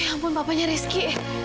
ya ampun bapaknya rizky